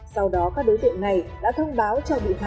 sau đó các đối tượng này đã thông báo cho bị hại nhận quà